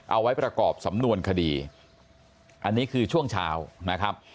เอาไว้ประกอบสำนวนคดีอันนี้คือช่วงเช้านะครับ